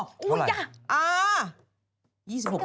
เท่าไหร่อ๋อ